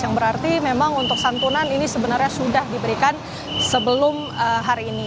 yang berarti memang untuk santunan ini sebenarnya sudah diberikan sebelum hari ini